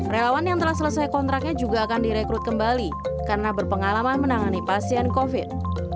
relawan yang telah selesai kontraknya juga akan direkrut kembali karena berpengalaman menangani pasien covid